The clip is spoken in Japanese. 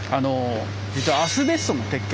実はアスベストの撤去。